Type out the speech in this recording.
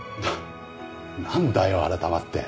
なんだよ改まって。